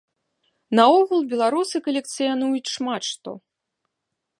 Наогул, беларусы калекцыянуюць шмат што.